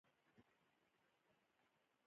باران د خداي رحمت دي.